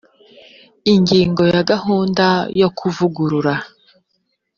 ingingo ya gahunda yo kuvugurura